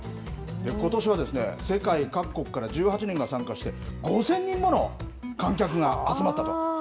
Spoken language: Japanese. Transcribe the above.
ことしは世界各国から１８人が参加して、５０００人もの観客が集まったと。